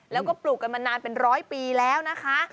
แล้วก็ปลูกกันมานานเป็นร้อยปีแล้วนะคะ